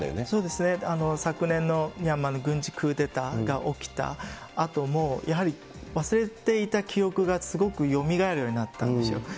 そうですね、昨年のミャンマーの軍事クーデターが起きたあとも、やはり忘れていた記憶がすごくよみがえるようになったんですよ。